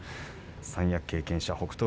三役経験者北勝